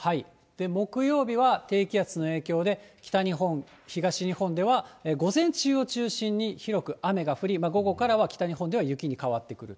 木曜日は低気圧の影響で、北日本、東日本では午前中を中心に広く雨が降り、午後からは北日本では雪に変わってくると。